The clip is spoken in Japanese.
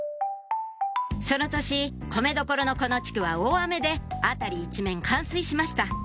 その年米どころのこの地区は大雨で辺り一面冠水しました